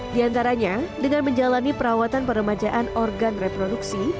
di antaranya dengan menjalani perawatan peremajaan organ reproduksi